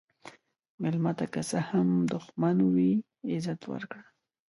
مېلمه ته که څه هم دښمن وي، عزت ورکړه.